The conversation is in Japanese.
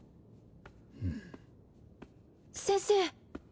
先生。